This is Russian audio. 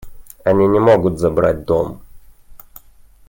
Они не могут забрать дом.